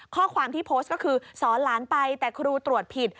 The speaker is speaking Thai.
ข้อความที่โพสต์ก็คือสอนหลานไปแต่ครูตรวจผิด